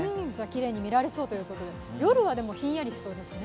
きれいに見られそうということで、でも、夜はひんやりしそうですね。